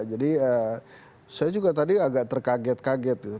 jadi saya juga tadi agak terkaget kaget gitu